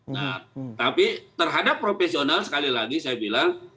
nah tapi terhadap profesional sekali lagi saya bilang